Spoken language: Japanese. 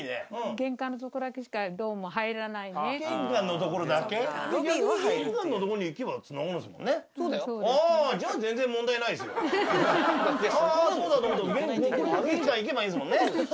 玄関行けばいいですもんね。